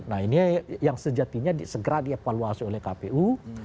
nah ini yang sejatinya segera dievaluasi oleh kpu